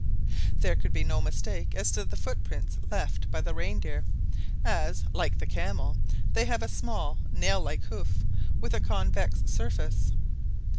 There could be no mistake as to the footprints left by the reindeer, as, like the camel, they have a small nail like hoof with a convex surface.